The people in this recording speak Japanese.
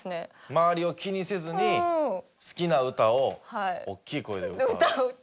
周りを気にせずに好きな歌を大きい声で歌う。